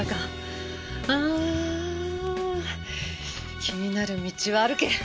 ああ気になる道は歩け。